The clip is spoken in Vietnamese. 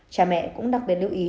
trẻ mẹ cũng đặc biệt lưu ý